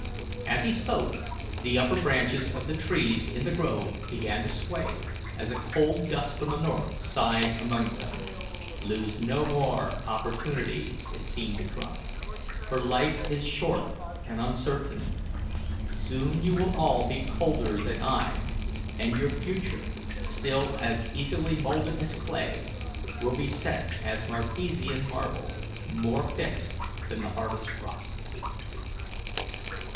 As he spoke, the upper branches of the trees in the grove began to sway as a cold gust from the north sighed among them. "Lose no more opportunities," it seemed to cry, "for life is short and uncertain. Soon you will all be colder than I, and your future, still as easily moulded as clay, will be set as Marpesian marble, more fixed than the hardest rock."